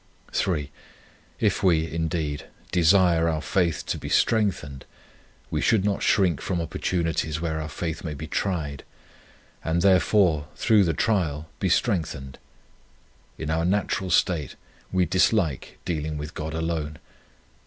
3, If we, indeed, desire our faith to be strengthened, we should not shrink from opportunities where our faith may be tried, and, therefore, through the trial, be strengthened. In our natural state we dislike dealing with God alone.